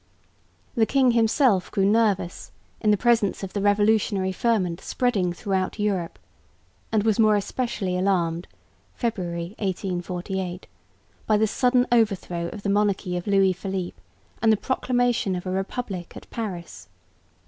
The king himself grew nervous in the presence of the revolutionary ferment spreading throughout Europe, and was more especially alarmed (February, 1848) by the sudden overthrow of the monarchy of Louis Philippe and the proclamation of a republic at Paris.